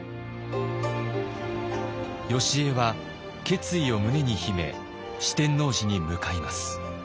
よしえは決意を胸に秘め四天王寺に向かいます。